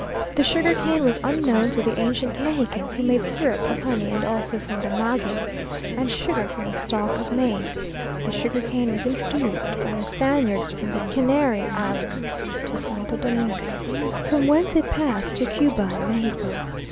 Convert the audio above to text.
The sugar cane was unknown to the ancient Mexicans, who made syrup of honey, and also from the maguey, and sugar from the stalk of maize. The sugar cane was introduced by the Spaniards from the Canary Islands to Santo Domingo, from whence it passed to Cuba and Mexico.